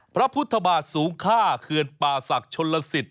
พระพุทธบาทสูงค่าเขื่อนป่าศักดิ์ชนลสิต